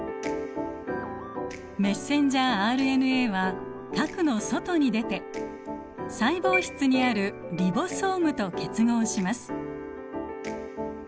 メッセンジャーＲＮＡは核の外に出て細胞質にあるリボソームと結合します。